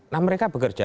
nah mereka bekerja